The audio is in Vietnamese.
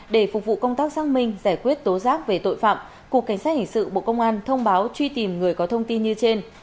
để phục vụ công tác xác minh giải quyết tố giác về tội phạm cục cảnh sát hình sự bộ công an thông báo truy tìm người có thông tin như trên